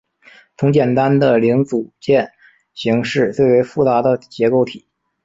从简单的零组件型式最为复杂的结构体。